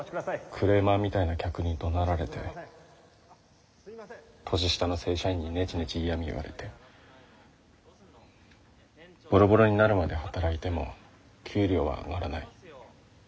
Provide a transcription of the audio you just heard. クレーマーみたいな客に怒鳴られて年下の正社員にネチネチ嫌み言われてボロボロになるまで働いても給料は上がらない。